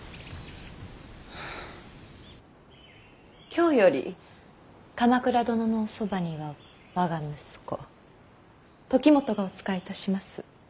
今日より鎌倉殿のおそばには我が息子時元がお仕えいたします。